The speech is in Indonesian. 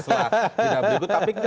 setelah jeda berikut